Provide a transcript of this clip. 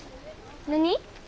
何？